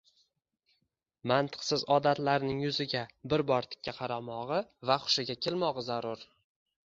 – mantiqsiz odatlarining yuziga bir bor tikka qaramog‘i va hushiga kelmog‘i zarur.